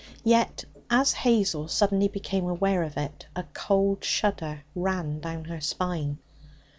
Yet, as Hazel suddenly became aware of it, a cold shudder ran down her spine.